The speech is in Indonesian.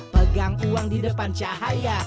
pegang uang di depan cahaya